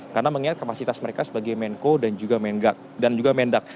karena mengingat kapasitas mereka